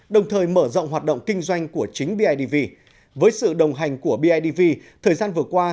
đồng thời mở rộng hoạt động kinh doanh của chính bidv với sự đồng hành của bidv thời gian vừa qua